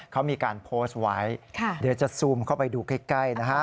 เขามีการโพสต์ไว้เดี๋ยวจะซูมเข้าไปดูใกล้นะฮะ